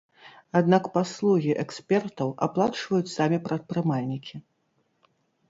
Аднак паслугі экспертаў аплачваюць самі прадпрымальнікі.